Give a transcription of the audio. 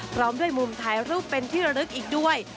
พร้อมด้วยมุมถ่ายรูปเป็นที่ระลึกอีกด้วย